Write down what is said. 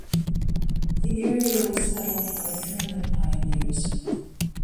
The area was settled by German pioneers.